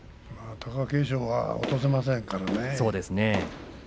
貴景勝は落とせませんからね。